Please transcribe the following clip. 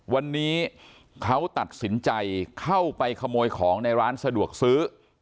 วันนี้เขาตัดสินใจเข้าไปขโมยของในร้านสะดวกซื้อ